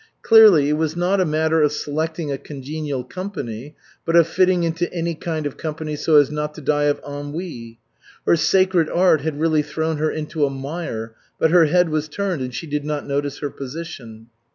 Clearly it was not a matter of selecting a congenial company, but of fitting into any kind of company so as not to die of ennui. Her "sacred art" had really thrown her into a mire, but her head was turned, and she did not notice her position.